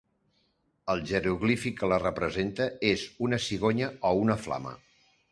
El jeroglífic que la representa és una cigonya o una flama.